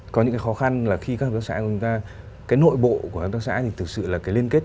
có những cái khó khăn là khi các hợp tác xã của chúng ta cái nội bộ của hợp tác xã thì thực sự là cái liên kết